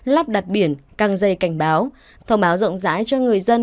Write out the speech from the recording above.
lắp đặt biển căng dây cảnh báo thông báo rộng rãi cho người dân